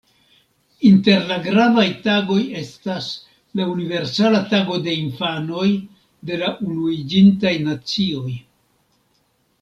Inter la gravaj tagoj estas la "Universala tago de infanoj" de la Unuiĝintaj Nacioj.